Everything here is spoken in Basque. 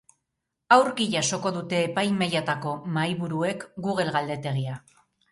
Aurki jasoko dute epaimahaietako mahaiburuek google galdetegia.